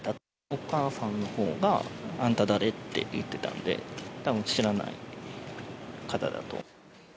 お母さんのほうが、あんた誰って言ってたんで、たぶん知らない方だと。